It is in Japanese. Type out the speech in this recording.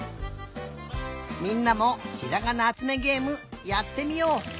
みんなも「ひらがなあつめげえむ」やってみよう。